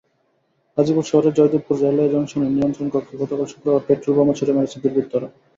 গাজীপুর শহরের জয়দেবপুর রেলওয়ে জংশনের নিয়ন্ত্রণকক্ষে গতকাল শুক্রবার পেট্রলবোমা ছুড়ে মেরেছে দুর্বৃত্তরা।